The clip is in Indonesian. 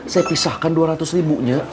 saya pisahkan dua ratus ribunya